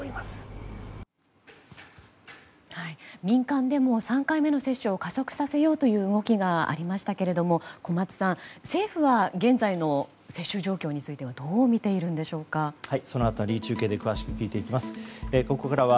民間でも、３回目の接種を加速させようという動きがありましたけど小松さん政府は現在の接種状況についてはどうみているんでしょうか？